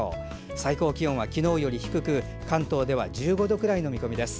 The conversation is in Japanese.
最高気温は昨日より低く関東では１５度くらいの見込みです。